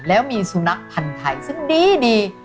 ซึ่งมีสุนัขภัณฑ์ไทยซึ่งดีดี